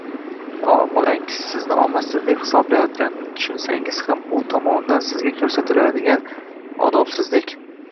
Bolangiz sizni omadsiz deb hisoblayotganini tushunsangiz ham u tomonidan sizga ko‘rsatiladigan odobsizlik